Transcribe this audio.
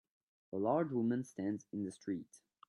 a large woman stands in the street